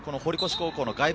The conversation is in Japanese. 堀越高校のＯＢ。